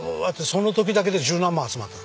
その時だけで十何万集まった。